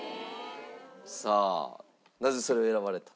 さあなぜそれを選ばれたんですか？